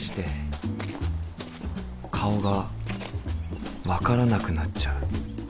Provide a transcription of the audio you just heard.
顔が分からなくなっちゃう。